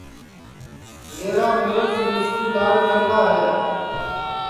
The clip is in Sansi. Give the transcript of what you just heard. میرا مُرس مِسکُو لاڈؔکا ہے